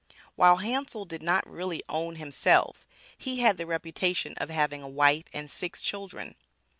While Hansel did not really own himself, he had the reputation of having a wife and six children.